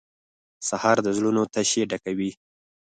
سهار د زړونو تشې ډکوي.